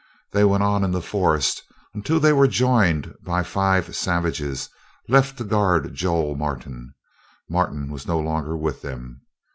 They went on in the forest until they were joined by the five savages left to guard Joel Martin. Martin was no longer with them.